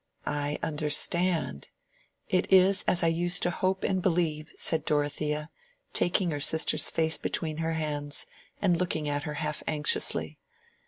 "I understand. It is as I used to hope and believe," said Dorothea, taking her sister's face between her hands, and looking at her half anxiously.